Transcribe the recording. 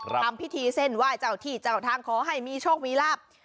ทำพิธีเส้นไหว้เจ้าที่เจ้าทางขอให้มีโชคมีลาบ